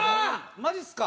マジっすか！